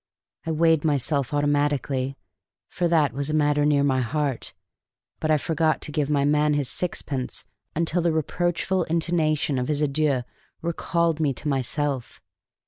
I weighed myself automatically, for that was a matter near my heart; but I forgot to give my man his sixpence until the reproachful intonation of his adieu recalled me to myself.